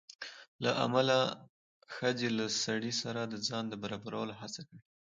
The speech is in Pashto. له امله ښځې له سړي سره د ځان د برابرولو هڅه کړې